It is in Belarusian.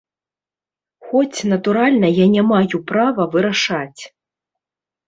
Хоць, натуральна, я не маю права вырашаць.